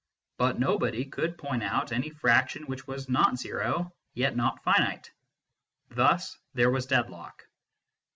But nobody could point out any fraction which was not zero, and yet not finite. Thus there was a deadlock.